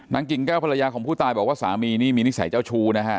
กิ่งแก้วภรรยาของผู้ตายบอกว่าสามีนี่มีนิสัยเจ้าชู้นะฮะ